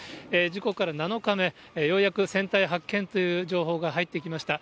事故から７日目、ようやく船体発見という情報が入ってきました。